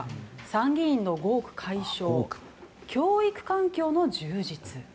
参議院の合区解消教育環境の充実。